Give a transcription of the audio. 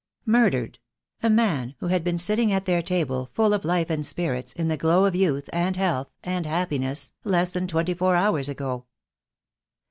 Murdered — a man who had been sitting at their table, full of life and spirits, in the glow of youth, and health, and happiness, less than twenty four hours ago!